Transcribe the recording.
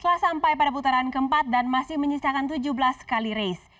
telah sampai pada putaran keempat dan masih menyisakan tujuh belas kali race